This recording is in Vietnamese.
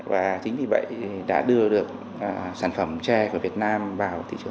và chính vì vậy đã đưa được sản phẩm tre của việt nam vào thị trường